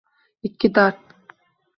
Ikki dard